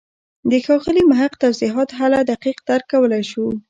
د ښاغلي محق توضیحات هله دقیق درک کولای شو.